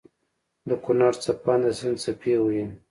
دکونړ څپانده سيند څپې وهي